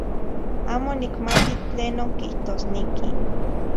Amo nicmati tlenon quihtosniqui.